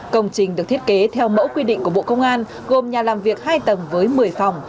công trình được thiết kế theo mẫu quy định của bộ công an gồm nhà làm việc hai tầng với một mươi phòng